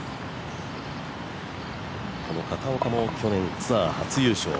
この片岡も去年ツアー初優勝。